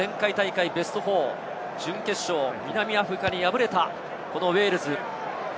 そして前回大会、ベスト４、準決勝、南アフリカに敗れたウェールズ。